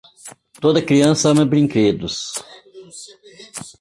Toda criança ama brinquedos.